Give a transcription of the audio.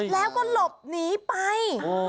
แล้วก็หลบหนีไป